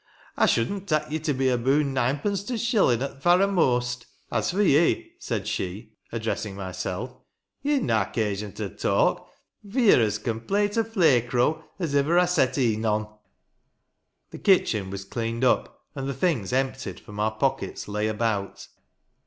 I should'nt tak ye to be aboon ninepence to t' shillin' at the varra most. As for ye," said she, addressing myself; "ye'n na 'casion to talk; for ye're as complate a flay crow as ivver I set e'en on." 14 The kitchen was cleaned up, and the things emptied from our pockets lay about.